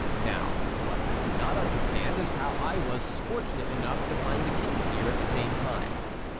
Now, what I do not understand is how I was fortunate enough to find the king here at the same time.